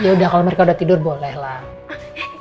yaudah kalau mereka udah tidur boleh lah